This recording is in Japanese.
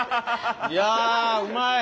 いやあうまい！